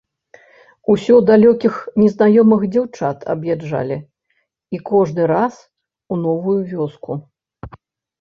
Усё далёкіх незнаёмых дзяўчат аб'язджалі, і кожны раз у новую вёску.